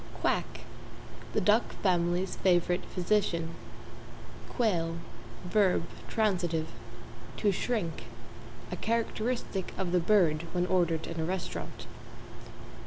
=QUACK= The Duck family's favorite physician. =QUAIL= v. t., To shrink a characteristic of the bird when ordered in a restaurant.